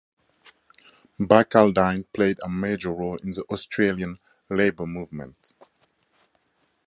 Barcaldine played a major role in the Australian labour movement.